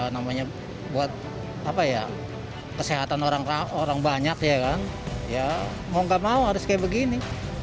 namanya buat apa ya kesehatan orang banyak ya kan ya mau gak mau harus kayak begini